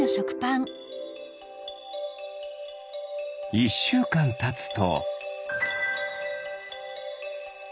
１しゅうかんたつと。